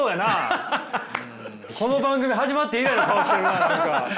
この番組始まって以来の顔してるな何か。